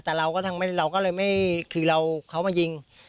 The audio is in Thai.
แต่เราก็ทางเราก็เลยไม่คือเราเขามายิง